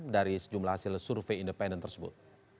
dari sejumlah hasil survei independen tersebut